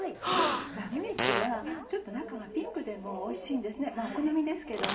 ラム肉はちょっと中がピンクでもおいしいんですねお好みですけれども。